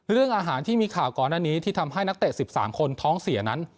เรื่องอาหารที่มีข่าวก่อนหน้านี้ที่ทำให้นักเตะ๑๓คนท้องเสียนั้น